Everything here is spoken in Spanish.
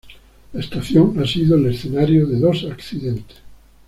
La estación ha sido el escenario de dos accidentes.